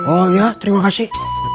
oh iya terima kasih